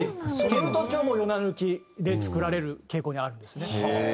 ケルト調も４７抜きで作られる傾向にあるんですね。